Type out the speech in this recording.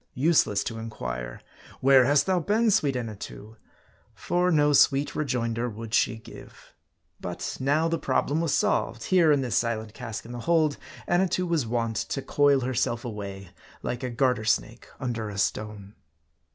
Useless to inquire, "Where hast thou been, sweet Anna too?" For no sweet rejoinder would she give. But now the problem was solved. Here, in this silent cask in the hold, Annatoo was wont to coil herself away, like a garter snake under a stone.